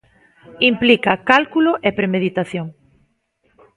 Implica cálculo e premeditación.